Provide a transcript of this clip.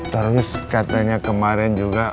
terus katanya kemarin juga